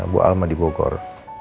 bu alma di bogor